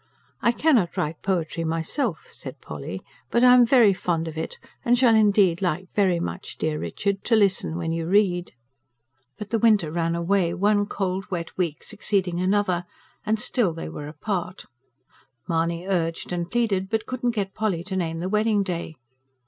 I CANNOT WRITE POETRY MYSELF, said Polly, BUT I AM VERY FOND OF IT AND SHALL INDEED LIKE VERY MUCH DEAR RICHARD TO LISTEN WHEN YOU READ. But the winter ran away, one cold, wet week succeeding another, and still they were apart. Mahony urged and pleaded, but could not get Polly to name the wedding day.